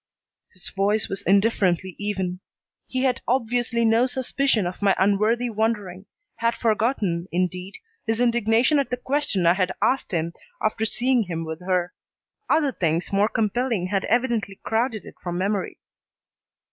His voice was indifferently even. He had obviously no suspicion of my unworthy wondering, had forgotten, indeed, his indignation at the question I had asked him after seeing him with her. Other things more compelling had evidently crowded it from memory.